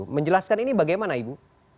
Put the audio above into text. menjelaskan ini bagaimana ibu